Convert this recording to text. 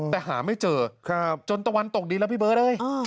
แต่หาไม่เจอจนตะวันตกดีแล้วพี่เบิร์ตเฮ้ย